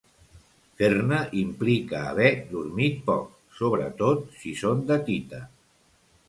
Fer-ne implica haver dormit poc, sobretot si són de tita.